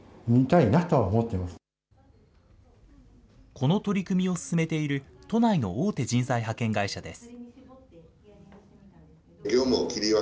この取り組みを進めている都内の大手人材派遣会社です。